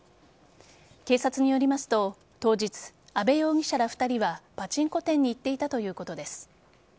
警察によりますと、当日阿部容疑者ら２人はパチンコ店に行っていたということです。